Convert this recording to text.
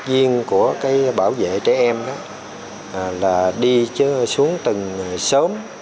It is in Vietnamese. để phòng ngừa và bảo vệ trẻ em đối nước thương tâm